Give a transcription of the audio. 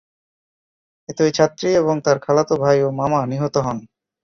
এতে ওই ছাত্রী এবং তার খালাতো ভাই ও মামা নিহত হন।